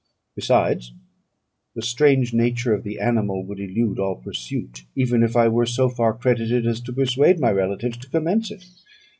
Besides, the strange nature of the animal would elude all pursuit, even if I were so far credited as to persuade my relatives to commence it.